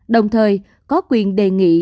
đồng thời có quyền đề nghị